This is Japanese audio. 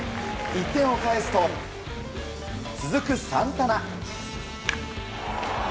１点を返すと続く、サンタナ。